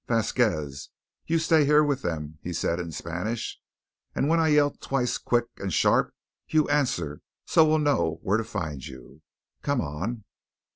"Vasquez, you stay here with them," he said in Spanish, "and when I yell twice quick and sharp, you answer so we'll know where to find you. Come on!"